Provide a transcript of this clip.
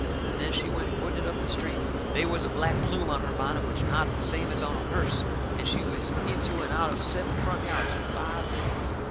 And then she went footing it up the street. They was a black plume on her bunnet which nodded the same as on a hearse, and she was into and out of seven front yards in five minutes.